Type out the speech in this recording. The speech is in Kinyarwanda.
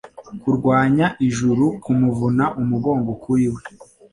Kurwanya ijuru kumuvuna umugongo kuri we,